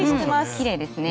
きれいですね。